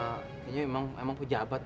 kayaknya memang pejabat